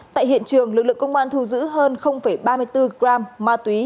tại hiện trường lực lượng công an thu giữ hơn ba mươi bốn gram ma túy